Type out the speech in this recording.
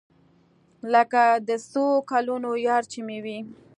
لکه د څو کلونو يار چې مې وي.